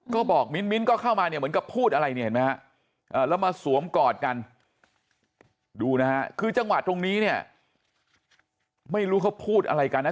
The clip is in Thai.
ก็บอกมิ้นก็เข้ามาเนี่ยเหมือนกับพูดอะไรเนี่ยเห็นไหมฮะแล้วมาสวมกอดกันดูนะฮะคือจังหวะตรงนี้เนี่ยไม่รู้เขาพูดอะไรกันนะ